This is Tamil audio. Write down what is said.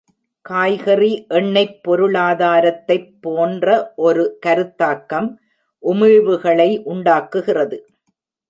காய்கறி எண்ணெய்ப் பொருளாதாரத்தைப்போன்ற ஒரு கருத்தாக்கம், உமிழ்வுகளை உண்டாக்குகிறது.